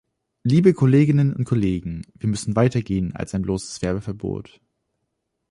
Liebe Kolleginnen und Kollegen, wir müssen weitergehen als ein bloßes Werbeverbot.